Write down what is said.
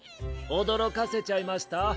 おどろかせちゃいました？